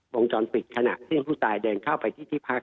วงจรปิดขณะที่ผู้ตายเดินเข้าไปที่ที่พัก